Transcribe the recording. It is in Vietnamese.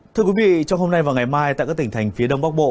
thưa quý vị trong hôm nay và ngày mai tại các tỉnh thành phía đông bắc bộ